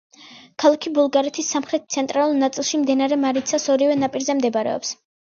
ქალაქი ბულგარეთის სამხრეთ-ცენტრალურ ნაწილში, მდინარე მარიცას ორივე ნაპირზე მდებარეობს.